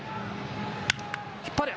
引っ張れ。